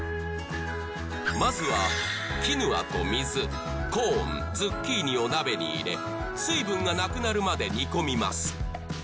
まずはキヌアと水コーンズッキーニを鍋に入れ水分がなくなるまで煮込みます